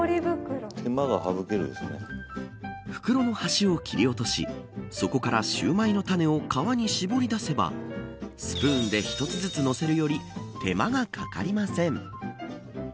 袋の端を切り落としそこからシューマイのタネを皮に絞り出せばスプーンで一つずつ載せるより手間がかかりません。